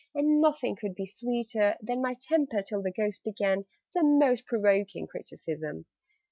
And nothing could be sweeter than My temper, till the Ghost began Some most provoking criticism.